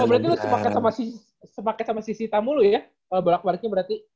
oh berarti lu sepaket sama sisi tamu lu ya kalau balik baliknya berarti